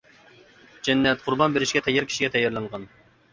جەننەت قۇربان بېرىشكە تەييار كىشىگە تەييارلانغان.